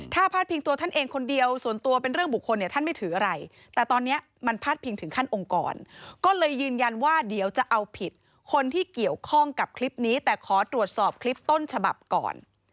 ถ้าพาดพิงตัวท่านเองคนเดียวส่วนตัวเป็นเรื่องบุคคลเนี่ยท่านไม่ถืออะไรแต่ตอนนี้มันพาดพิงถึงขั้นองค์กรก็เลยยืนยันว่าเดี๋ยวจะเอาผิดคนที่เกี่ยวข้องกับคลิปนี้แต่ขอตรวจสอบคลิปต้นฉบับก่อน